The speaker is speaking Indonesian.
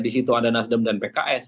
di situ ada nasdem dan pks